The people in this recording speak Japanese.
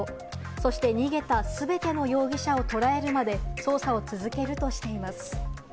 そして逃げた全ての容疑者をとらえるまで捜査を続けるとしています。